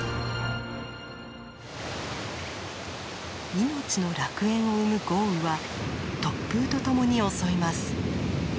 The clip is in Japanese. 命の楽園を生む豪雨は突風とともに襲います。